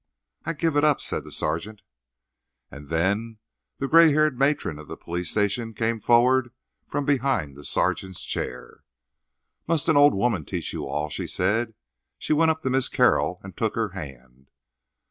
"I give it up," said the sergeant. And then the gray haired matron of the police station came forward from behind the sergeant's chair. "Must an old woman teach you all?" she said. She went up to Miss Carroll and took her hand.